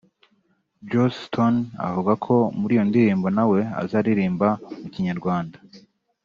Joss Stone avuga ko muri iyo ndirimbo nawe azaririmba mu Kinyarwanda